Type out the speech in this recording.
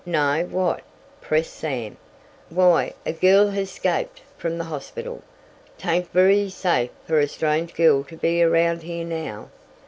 "No, what?" pressed Sam. "Why, a girl has 'scaped from the hospital. 'Tain't very safe fer a strange girl to be around here now.